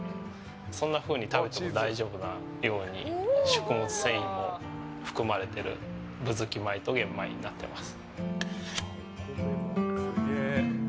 そんなふうに食べても大丈夫なように食物繊維も含まれてる部づき米と玄米となっています。